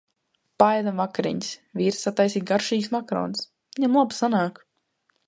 Paēdam vakariņas. Vīrs sataisīja garšīgus makaronus, viņam labi sanāk.